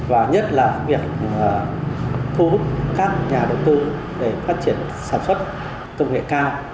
và nhất là công nghiệp thu hút các nhà đầu tư để phát triển sản xuất công nghiệp cao